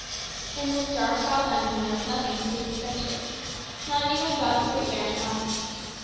In this dark foul dungeon there was nothing to please the senses, not even God's free air and light.